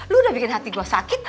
lu udah bikin hati gue sakit